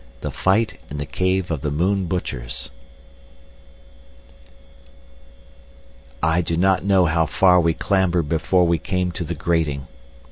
The Fight in the Cave of the Moon Butchers I do not know how far we clambered before we came to the grating.